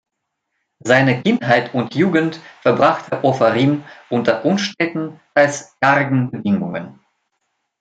Seine Kindheit und Jugend verbrachte Ofarim unter unsteten, teils kargen Bedingungen.